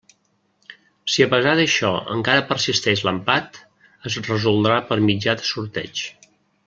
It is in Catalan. Si a pesar d'això encara persisteix l'empat, es resoldrà per mitjà de sorteig.